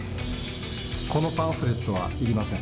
このパンフレットはいりません。